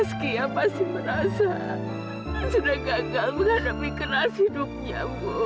sampai jumpa di video selanjutnya